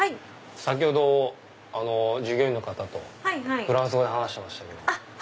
先ほど従業員の方とフランス語で話してましたけど。